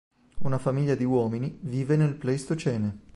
Una famiglia di uomini vive nel Pleistocene.